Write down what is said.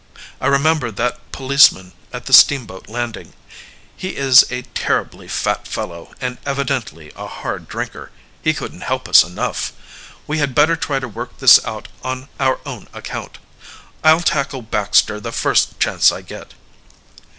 "I remember that policeman at the steamboat landing. He is a terribly fat fellow and evidently a hard drinker. He couldn't help us enough. We had better try to work this out on our own account. I'll tackle Baxter the first chance I get."